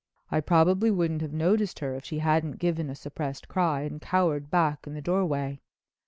"I probably wouldn't have noticed her if she hadn't given a suppressed cry and cowered back in the doorway.